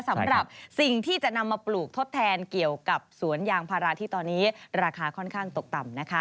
สำหรับสิ่งที่จะนำมาปลูกทดแทนเกี่ยวกับสวนยางพาราที่ตอนนี้ราคาค่อนข้างตกต่ำนะคะ